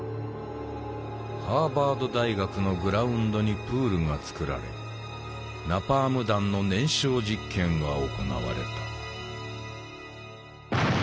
ハーバード大学のグラウンドにプールがつくられナパーム弾の燃焼実験が行われた。